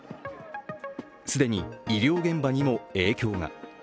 既に医療現場にも影響が。